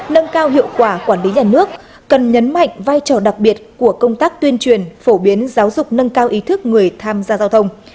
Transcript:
nâng cao hiệu quả quản lý nhà nước cần nhấn mạnh vai trò đặc biệt của công tác tuyên truyền phổ biến giáo dục nâng cao ý thức người tham gia giao thông